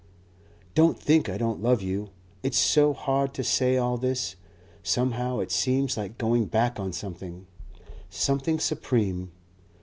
"Don't think I don't love you. It's so hard to say all this. Somehow it seems like going back on something something supreme.